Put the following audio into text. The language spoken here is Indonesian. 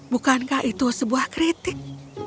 bukankah itu sebuah kritik